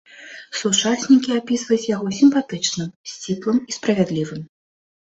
Сучаснікі апісваюць яго сімпатычным, сціплым і справядлівым.